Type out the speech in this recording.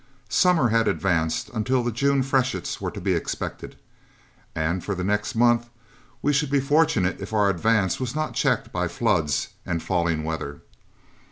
Summer had advanced until the June freshets were to be expected, and for the next month we should be fortunate if our advance was not checked by floods and falling weather.